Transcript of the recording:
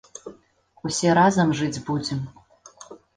Усе разам жыць будзем!